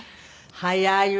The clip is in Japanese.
早いわね！